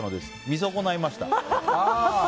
見損ないました。